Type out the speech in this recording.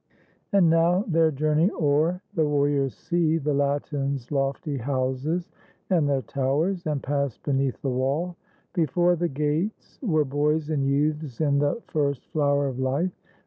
And now, their journey o'er, the warriors see The Latins' lofty houses and their towers, And pass beneath the wall. Before the gates Were boys and youths in the first flower of life.